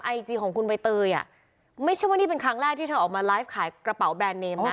ไอจีของคุณใบเตยอ่ะไม่ใช่ว่านี่เป็นครั้งแรกที่เธอออกมาไลฟ์ขายกระเป๋าแบรนด์เนมนะ